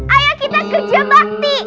ayo kita kerja bakti